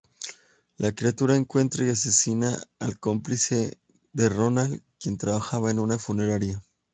La criatura encuentra y asesina al cómplice de Ronald, quien trabajaba en una funeraria.